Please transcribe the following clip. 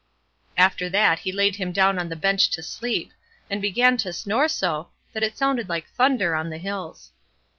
After that, he laid him down on the bench to sleep, and began to snore so, that it sounded like thunder on the hills.